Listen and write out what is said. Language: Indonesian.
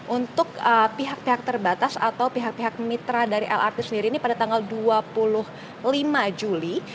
untuk pihak pihak terbatas atau pihak pihak mitra dari lrt sendiri ini pada tanggal dua puluh lima juli